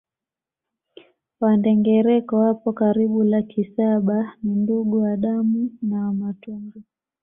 Wandengereko wapo karibu laki saba ni ndugu wa damu na Wamatumbi